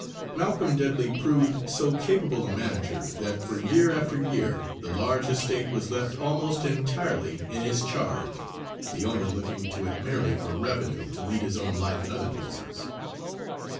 Malcolm Dudley proved so capable a manager that for year after year the large estate was left almost entirely in his charge, the owner looking to it merely for revenue to lead his own life in other places.